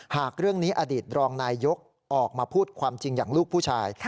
หากเรื่องนี้อดีตรองนายยกออกมาพูดความจริงอย่างลูกผู้ชาย